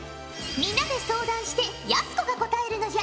皆で相談してやす子が答えるのじゃ。